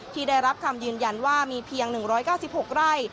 ที่ได้รับคำยืนยันว่ามีเพียง๑๙๖ไร่